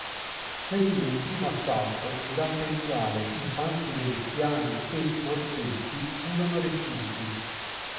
Seguì un primo assalto durante il quale i fanti veneziani e sforzeschi furono respinti.